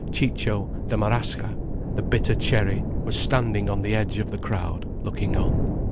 Ciccio, the marasca, the bitter cherry, was standing on the edge of the crowd, looking on.